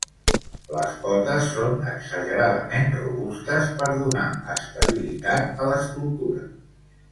Les potes són exageradament robustes per donar estabilitat a l'escultura.